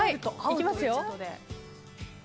いきますよ。